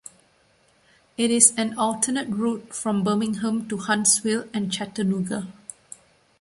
It is an alternate route from Birmingham to Huntsville and Chattanooga.